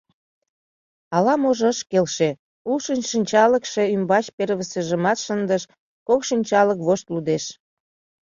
Ала-можо ыш келше, улшо шинчалыкше ӱмбач первыйсыжымат шындыш, кок шинчалык вошт лудеш.